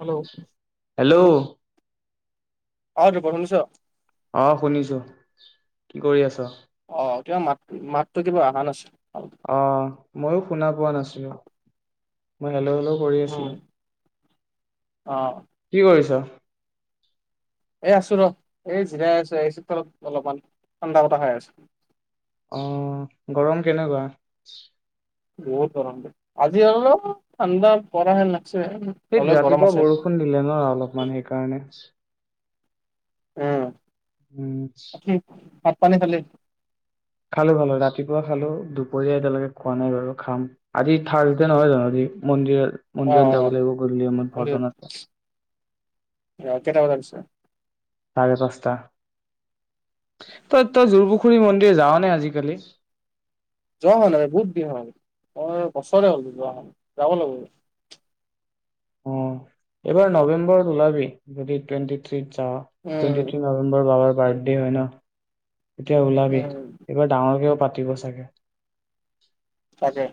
Hello অ hello অ দীপক শুনিছ অ শুনিছোঁ, কি কৰি আছা? অ কিবা মাত, মাতটো কিবা অহা নাছিল অ মইয়ো শুনা পোৱা নাছিলো। হেল্ল', হেল্ল কৰি আছিলো। অহ কি কৰিছ? এই আছো ৰ, এই জিৰাই আছো এই চোতালত অলপমান ঠাণ্ডা বতাহ খাই আছো। অহ, গৰম কেনেকুৱা? বহুত গৰম দেই, আজি অলপ ঠাণ্ডা পৰা নাই। সেই ৰাতিপুৱা বৰষুণ দিলে ন অলপমান সেইকাৰণে উম হম [unintelligible] বাকী ভাত পানী খালি? খালো, খালো ৰাতিপুৱা খালো দুপৰীয়া এতিয়ালৈকে খোৱা নাই বাৰু খাম আজি থাৰ্ছডে নহয় জানো আজি মন্দিৰত অ, মন্দিৰত যাব লাগিব গধূলি সময়ত অ মন্দিৰ অ ভজন আছে কেইটা বজাত আছে? চাৰে পাঁচটা। তই, তই যোৰপুখুৰী মন্দিৰ যাওঁ নে? ন আজিকালি যোৱা হোৱা নাই বহুত দিন হ'ল, মোৰ বছৰে হ'ল নোযোৱা হ যাব লাগিব। অ এইবাৰ নৱেম্বৰত ওলাবি, যদি টুৱেন্টি থ্ৰী যাওঁ, উম টুৱেন্টি ট্ৰী নৱেম্বৰত বাবাৰ বাৰ্থডে দে হয় ন এতিয়া ওলাবি, উম এইবাৰ ডাঙৰকে পাতিম। পাতিব ছাগে তাকে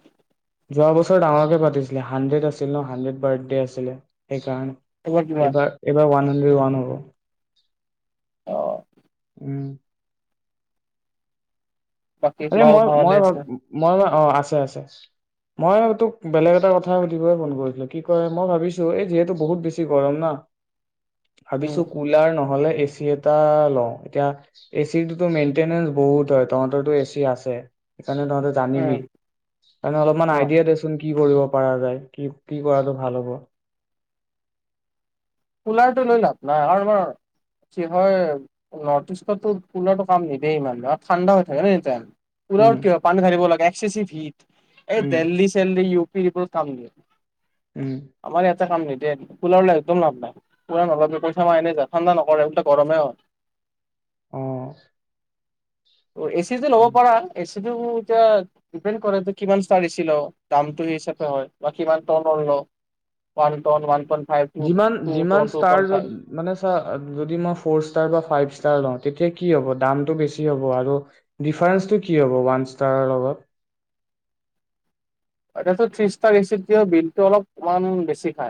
যোৱা বছৰ ডাঙৰকে পাতিছিলে, হানড্ৰেত আছিল ন হানড্ৰেত বাৰ্থডে আছিলে। এইবাৰ কিমান এবাৰ, এবাৰ ওৱান ওৱান হব অ উম বাকী মা আৰে মই ভালে মই আছে ভাবো মই না অ আছে আছে মই তোক বেলেগ এটা কথা সুধিবয় ফোন কৰিছিলো কি কয় মই ভাবিছো এই যিহেতু বহুত বেছি গৰম না উম ভাবিছো কুলাৰ নহলে এচি এটা লও এতিয়া এতিয়া মেইনটেনেঞ্চ বহুত হয় তহতৰো এচি আছে এনে তহঁতে জানিবি উম এনেই অলপমান অ আইডিয়া দেচোন কি কৰিব পৰা যায় কি কি কৰাটো ভাল হ'ব কুলাৰটো লৈ লাভ নাই আৰু আমাৰ কি হয় নৰ্থ ইষ্টতো কুলাৰটো কাম নিদিয়ে ইমান গাঁওত ঠাণ্ডা হৈ থাকে ন এনিটাইম। উম কুলাউট কিয় পানী ঢালিব লাগে। চি চি ভিত এই উম দেল্লহি চেলহি ইউ পি এইবোৰত কাম দিয়ে উম আমাৰ ইয়াতে কাম নিদিয়ে কুলাৰলৈ একদম লাভ নাই কুলাৰ নলবি পইচা আমাৰ এনে যায় ঠাণ্ডা নকৰে ওলতা গৰমে হয় অ এ চি টো ল'ব উম। পাৰা এ চি সেইটো এতিয়া দিপেন কৰে কিমান ইচটাৰৰ এচি লও দামটো হিচাপে হয় বা কিমান টনৰ লও one ton, one point five যিমান পো যিমান ষ্টাৰ মানে চা যদি মই ফ'ৰ ষ্টাৰ বা ফাইভ ইষ্টাৰ্ তেতিয়া কি হ'ব দামটো বেছি হ'ব আৰু ডিফাৰেচটো কি হ'ব ওৱান ষ্টাৰৰ লগত তাৰপাছত ত্ৰি ইষ্টাৰ এ চিতকৈ বিলতটো অলপমান বেছি খাই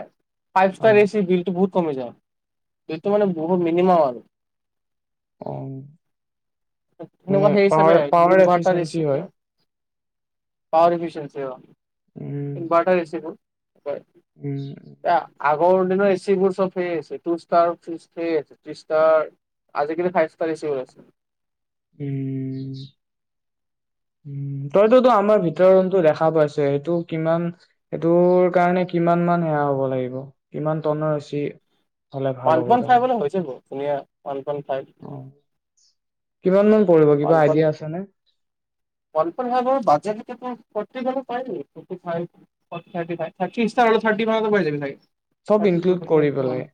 ফাইভ অ ষ্টাৰ এ চি বিলটো বহুত কমি যায় সেইটো মানে বহুত মিনিমাম আৰু অ সেনেকুৱা মানে সেই হিচাপে power power inverter A C efficiency হয় পাৱাৰ এফিচেনচিঅ অ উম ইনভান্টাৰ এচি বোৰ উম আগ আগৰ দিনৰ এ চিবোৰ চব সেই আছে টু ষ্টাৰ থি ষ্টাৰ আজিকালি ফাইভ ষ্টাৰ এচি ওলাই ছে উম উ তইতোতো আমাৰ ভিতৰৰ ৰুম টো দেখা পাইছে সেইটো কিমান সেইটো কাৰণে কিমান মান সেয়া হব লাগিব কিমান টনৰ এছি ওৱান পইণ্ট ফাইপ হ'লে হৈ যাব ধুনীয়া ওৱান ওৱান ফাইভ অ কিমান পৰিব কিবা কলপন আইডিয়া আছেনে কলপন হেনো বাজাৰ ফৰটিফাইভ পাই যাব নেকি ফৰ্টিফাইড থাৰটিফাইম মানত পাই যাবি চব থাৰ্টি টু ইনক্লুড কৰি থাৰ্টি থ্ৰী মান পেলাই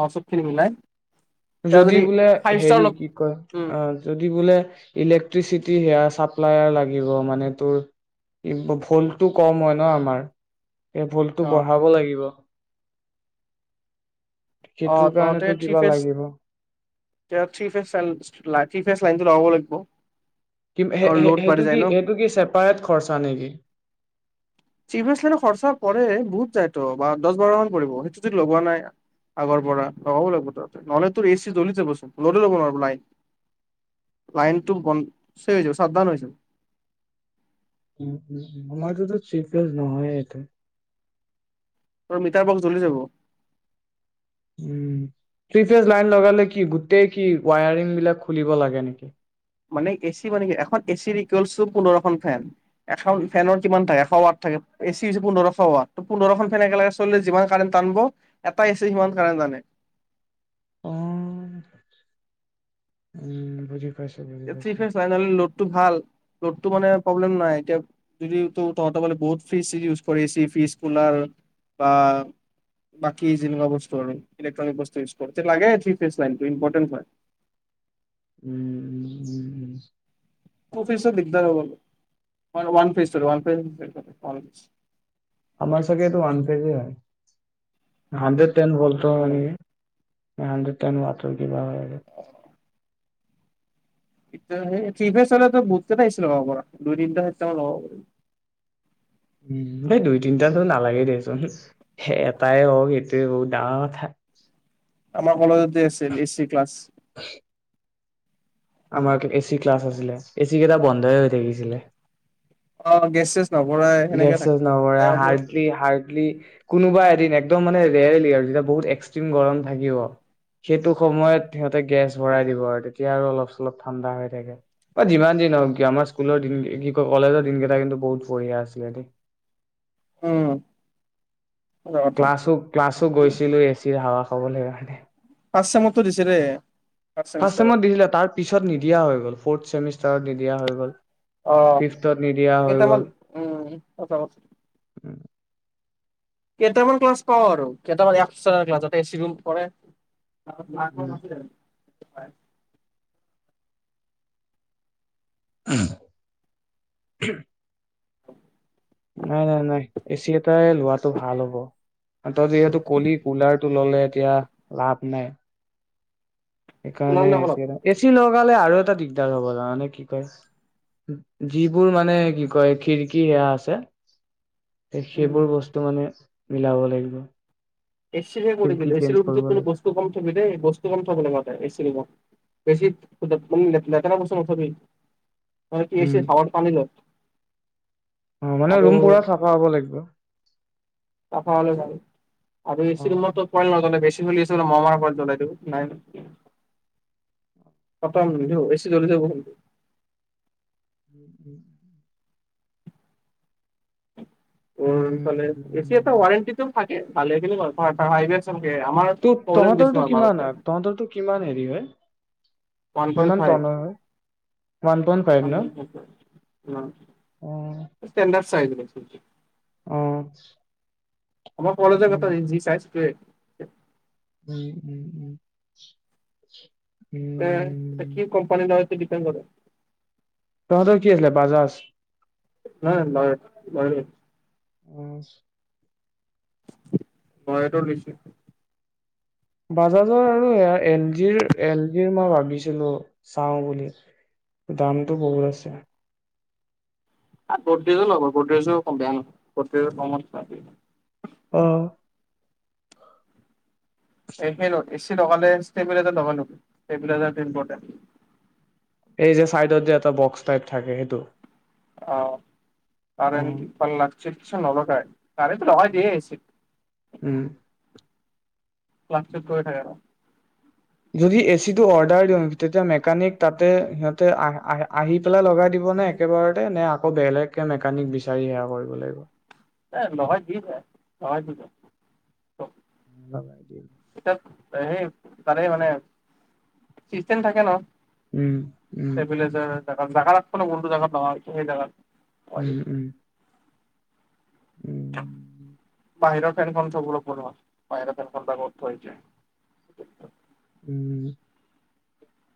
অ চবখিনি মিলায় যদি বোলে হেৰি কি কয় অ য। বোলে ইলেক্ট্ৰিচিটি সেয়া চাপ্লাৰ লাগিব মানে তোৰ ভলটো কম হয় ন আমাৰ। এই ভুলটো অ বঢ়াব লাগিব। অ সেইটোৰ তহঁতে কাৰণেতো থ্ৰী কিবা ফেচ লাগিব থ্ৰী ফেচ লা ফেচ লাইনতটো লগাব লাগিব। কি তৰ লোড বাঢ়ি সেইটো যায় কি ন সেইটো কি চেপায়ট খৰচা নেকি। চিভ এছ লাইত খৰচা পৰে বহুত যায় তো বা দহ বাৰ মান পৰিব সেইটো যদি লগোৱা নাই আগৰ পৰা লগাব লাগিব ত নহ'লে তোৰ এ চি জ্বলি যাবচোন লদ ল'ব নোৱাৰো লাইন লাইনটো ব চ হৈ চাপদন হৈ যাব। উ উ আমাৰটোতো চিপিয়ছ নহয় এটো। তোৰ মিটাৰ বক্স জ্বলি যাব। উম থি ফেজ লাইন লগালে কি গোটেই কি ৱায়াৰিং বিলাক খুলিব লাগে নেকি। মানে এচি মানে কি এখন এচিৰো পোন্ধৰখন ফেন এখন ফেনৰ কিমান থাকে এশ ৱাৰ্ট থাকে এচি হৈছে পোন্ধৰশ ৱাৰ্ট পোন্ধৰখন ফেন একেলগে চলিলে যিমান কাৰেণ্ট টানিব এটা এচি সিমান কাৰেণ্ট টানে। অ উম বুজি পাইছো বুজি এচি পাইছো। ফ্ৰেশ লাইন লোডটো ভাল লোড মানে প্ৰব্লেম নাই এতিয়া যদি ত তহঁতৰ মানে ফ্ৰিছ ইউজ কৰিছে কোলাৰ বা বাকী যেনেকুৱা বস্তু আৰু ইলেক্ট্ৰনিক বস্তু ইউজ কৰিছে লাগে ফ্ৰেছ লাইনটো ইম্পৰ্টেণ্ট হয়। উম উম উম, উম, টো ফ্ৰেছৰ দিগদাৰ হ'ব ওৱান ফ্ৰেছৰ লাগে ওৱান ফ্ৰেছৰ। আমাৰ চাগেটো ওৱান ফ্ৰেছৰে হয় হানদেৰেত। তেন ভল্টৰ হয় ফেজ নেকি হানদ্ৰেদ তেন ৱাৰ্তৰ কিবা হয় আৰু। এতিয়া সেই থ্ৰীভেছ হ'লে টো বহুত কেইটা এচি লগাব পৰা দুই তিনিটা সাত টা মান লগাব পাৰি উ এই দুই তিনিটাতো নালাগে দেচোন এটাই হওঁক এইটোৱে বহুত ডাঙৰ কথা। আমাৰ কলেজত আছিল এচি ক্লাছ। আমাৰ এচি ক্লাছ আছিলে এচি কেইটা বন্ধই হৈ থাকিছিলে। অ গেছ চেছ নভৰাই গেছ সেনেকে চেছ থাকে। নভৰাই বেয়া হ'ব হাৰ্ডলি হাৰ্ডলি। কোনোবা এদিন একদম মানে ৰেয়লি আৰু যেতিয়া বহুত এক্সট্ৰিম গৰম থাকিব সেইটো সময়ত সিহঁতে গেছ ভৰাই দিব আৰু তেতিয়া আৰু অলপ চলপ ঠাণ্ডা হৈ থাকে বা যিমান দিন হওক আমাৰ স্কুলৰ দিন কি কয় কলেজৰ দিন কেইটা কিন্তু বহুত বঢ়িয়া আছে। দেই উম সঁচা কথা ক্লাছো ক্লাছো গৈছিলোঁ এচি হাৱা ক'ব লাগিব হয় নাই। ফাৰ্ষ্ট চেম টো দিছে ৰে। ফাষ্ট চেমত দিছিলে তাৰ পিছত নিদিয়া হৈ গ'ল ফৰ্ট ছেমিষ্টাৰ। দিয়া হৈ গ'ল। আহ ফিফ্থত নিদিয়া হৈ কেইটামান গ'ল উম আচ কেইটামান ক্লাছ পাওঁ আৰু কেইটামান এক্সট্টা ক্লাছত এচি ৰুম পৰে। অ উম ল নছিল। [unintelligible] হয়। আহ। নাই নাই নাই এ চি। নাই লোৱাটো ভাল হ'ব। ত যিহেতু কলি কুলাৰ টো ললে এতিয়া লাভ নাই। ওলাম সেইকাৰণে দে অলপ। এচি এটা এচি লগালে আৰু এটা। টা দিগদাৰ হব মানে কি কয় যিবোৰ মানে কি কয় খিৰিকী সেয়া আছে। উম, সেইবোৰ বস্তু মানে। মিলাব লাগিব। এ চিহে কৰি খিৰিকী দিলে চেঞ্জ এচিৰ কৰিব ভিতৰত লাগিব বস্তু কম থবি দেই বস্তু কম থব লগতে এচি। বেছি মানে লেতেৰা বস্তু নথবি। এ উম চে চাৱাৰ পানীল [unintelligible] অ মানে ৰুম পুৰা চাফা হ'ব লাগিব। ত পলে ভাল আৰু অ চিলম প নাজ বছি [unintelligible] ল আছে বো মমাৰ ওৰত জ্বলাই দিওঁ নাই সতমধ এচি জ্বলি থ [unintelligible] উম উম উ উ উম চলে, এ চি এটা ৱাৰেণ্টিটোম। পালে কিন্তু অফাৰ ফাৰ দিয়াত চাব [unintelligible] ত। তহঁতৰটো কিমান আ তহঁতৰটো কিমান হেৰি হয়। উৱান পইণ্ট কিমান ফাইভ টনৰ হয় ওৱান পইণ্ট ফাইভ ন অ ষ্টেণ্ডাচ। চাই [unintelligible] অ আমাৰ পলেজৰ কথা উম, যি চাইজ [unintelligible] টোৱে। উম উম উম। এ এ উম। কি কোম্পানী হয়। ডিপণ্ কৰে। তহঁতৰ কি আছিলছিলে, বাজাজ। হয়, লয় লয় দেই উম। বয়াতৰ লিচু [unintelligible] বাজাজৰ আৰু এল জিৰ, এল জিৰ মই ভাবিছিলো চাওঁ বুলি দামটো বহুত আছে। গদ্ৰেজো লব, গদ্ৰেজো অকণ বেয়া নহয় গদ্ৰেজত কমত পায়। অ [inaudible] এ চি ল, এ চি লগালে ষ্টবিলাক ডবল হব ৰেগুলেটৰটো ইম্পৰ্টেন্ট। এই যে চাইডত যে এটা বক্স টাইপ থাকে সেইটো। অ, তাৰে উম, এমক [inaudible] পাল ল চিকৎসা নলকাই। কাৰেণ্ট নহয়, দিয়ে আহিছো। উম। ক্লাছত গৈ থাকে অ। যদি এচিটো অৰ্ডাৰ দিওঁ, তেতিয়া মেকানিক তাতে তাতে আহি আহি পেলাই লগাই দিবনে একেবাৰতে নে আকৌ বেলেগকে মেকানিক বিচাৰিব লাগিব। এ লগাই দিছে, লগাই দিব। লগ ভাই দ [unintelligible] সেই, তাৰে মানে চিষ্টেম থাকে ন। উম, উম। ষ্টেবিলাইজাৰ জাগা লাগব ন কোনটো জাগাত লগাম সেই জাগাতো। উম, উম। উম, বাহিৰৰ ফেনখন সব লগ বনোৱা, বাহিৰৰ ফেনখন ডাঙৰ থৈ যায়। উম,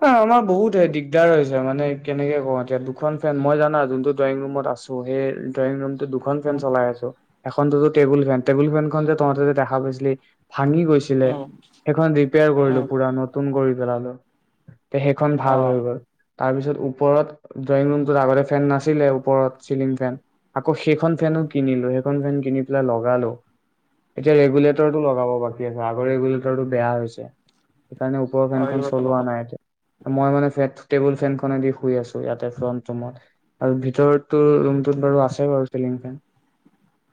আমাৰ বহুত দিগদাৰ হৈছে মানে কেনেকে কওঁ এতিয়া দুখন ফেন মই জানা যোনটো ড্ৰয়িং ৰুমত আছো সেই ড্ৰয়িং ৰুম দুখন ফেন চলাই আছো। এখনতো টেবুল ফেন, টেবুল ফেনখন যে তহঁতে যে দেখা পাইছিলি। ভাঙি গৈছিলে, উম সেইখন ৰিপেয়াৰ উম কৰিলো। নতুন কৰি পেলালো। তে সেইখন ভাল অ' হৈ গ'ল। তাৰপিছত ওপৰত, ড্ৰয়িং ৰুমটোত আগতে ফেন নাছিলে ওপৰত চিলিং ফেন আকৌ সেইখন উম, ফেনো কিনিলো সেইখন ফেন কিনি পেলাই লগালো এতিয়া ৰেগুলেটৰটো লগাব বাকি আছে আগৰ ৰেগুলেটৰটো বেয়া হৈছে। সেইকাৰণে ওপৰৰ অ' ফেনখন এইবোৰতো চলোৱা নহ'ব। নাই এতিয়া। মই মানে ফে টেবুল ফেনখনেদি শুই আছো ইয়াতে ফ্ৰন্ট ৰুমত আৰু ভিতৰতো ৰুমটোত বাৰু আছে বাৰু চিলিং ফেন।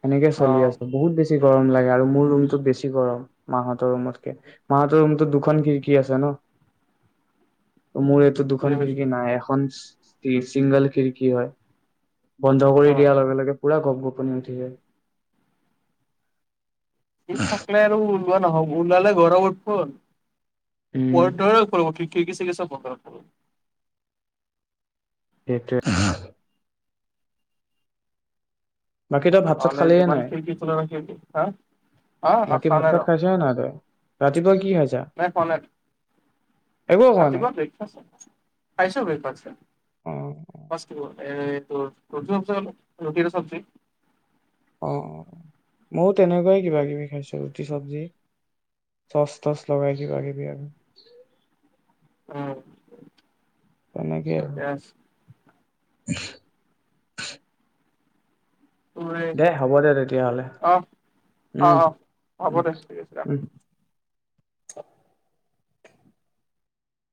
সেনেকে চলি অ' আছো বহুত বেছি। গৰম লাগে আৰু মোৰ ৰুমটো বেছি গৰম, মাহতৰ ৰুমতকে। মাহতৰ ৰুমটো খন খিৰিকী আছে ন। মোৰ এইটো বুজি দুখন পাইছোঁ খিৰিকী নাই, এখন চিংগল খিৰিকী হয়। বন্ধ কৰি অ' দিয়াৰ লগে লগে পুৰা গপ গপনীয় উঠি যায়। এই থাকলে আৰু কোৱা নহ, ওলালে গৰমত ফোন প উম, ধৰ পব কি [inaudible] কি কি চিক চ বন্ধ। একট। বাকী তই ভাত চাত নহলে খালিয়ে যিমান নাই? খিৰিকী খোলা ৰাখিবি অ বাকী ভাত খানে চাত ৰ খাইছ নে নাই তই? ৰাতিপুৱা কি খাইছা? নাই খ একো খোৱা নাই? ৰাতিপুৱা ব্ৰক খাইছো ব্ৰ। অ', ৰটি চজ ৰৰুটি আৰু চব্জি। অ অ ময়ো তেনেকুৱাই কিবা কিবি খাইছো ৰুটি চবজি চচ তচ লগাই কিবা কিবি আৰু। উম। তেনেকেই য়েছ। আৰু। [unintelligible] [unintelligible] তোৰ এই দেই হ'ব দে তেতিয়াহ'লে অ অ উম অ উম উম। অ।